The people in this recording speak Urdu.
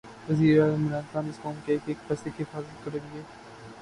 وزیراعظم عمران خان اس قوم کے ایک ایک پیسے کی حفاظت کریں گے